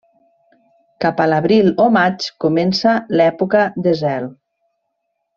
Cap a l'abril o maig comença l'època de zel.